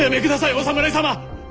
お侍様！